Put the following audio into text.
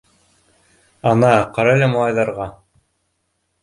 Ана, ҡарале малайҙарға.